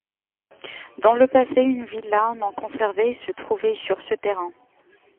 Dans le passé, une villa non conservée se trouvait sur ce terrain.